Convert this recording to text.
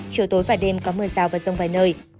chiều tối và đêm có mưa rào và rông vài nơi